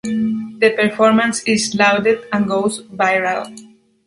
The performance is lauded and goes viral.